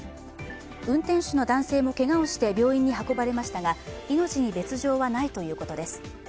運転手の男性もけがをして病院に運ばれましたが、命に別状はないということです。